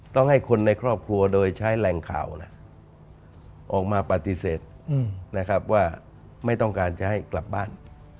ต้องให้คนในครอบครัวโดยใช้แรงข่าวออกมาปฏิเสธนะครับว่าไม่ต้องการจะให้กลับบ้าน